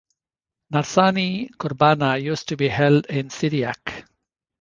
Nasrani Qurbana used to be held in Syriac.